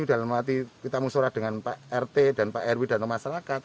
dalam arti kita musurah dengan pak rt dan pak rw dan masyarakat